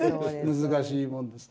難しいもんです。